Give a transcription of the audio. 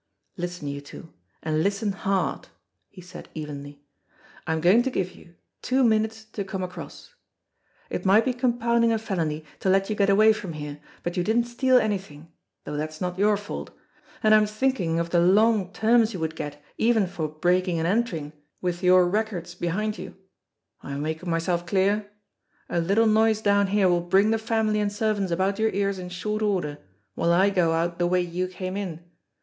"Listen, you two and listen fiard!" he said evenly. "I'm going to give you two minutes to come across. It might be compounding a felony to let you get away from here, but you didn't steal anything though that's not your fault and I'm thinking of the long terms you would get, even for 'breaking and entering,' with your records behind you. Am I making myself clear? A little noise down here will bring the family and servants about your ears in short order while I go out the way you came in.